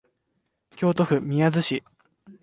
京都府宮津市